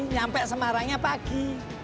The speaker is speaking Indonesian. nyampe semarangnya pagi